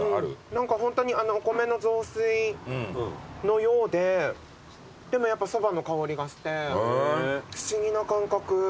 何かホントにお米の雑炊のようででもやっぱそばの香りがして不思議な感覚。